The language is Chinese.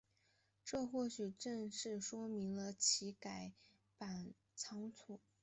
这或许正是说明了其改版仓促。